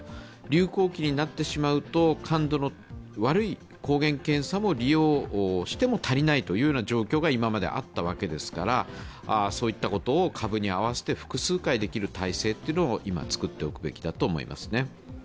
流行期になってしまうと感度の悪い抗原検査を利用しても足りないという状況が今まであったわけですからそういったことを株に合わせて複数回できる体制を今作っておくべきだと思いますね。